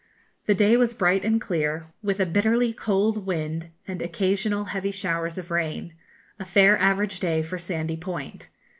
The day was bright and clear, with a bitterly cold wind and occasional heavy showers of rain; a fair average day for Sandy Point.